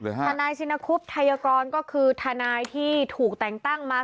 ทนายชินคุบไทยกรก็คือทนายที่ถูกแต่งตั้งมา